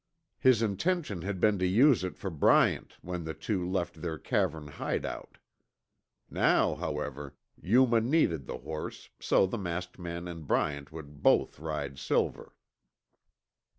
His intention had been to use it for Bryant when the two left their cavern hideout. Now, however, Yuma needed the horse, so the masked man and Bryant would both ride Silver.